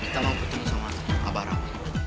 sama abah rama